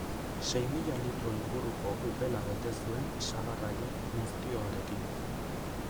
Sei mila litro inguruko upela bete zuen sagar haien muztioarekin.